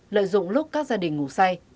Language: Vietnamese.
lợi dụng lúc các gia đình ngủ say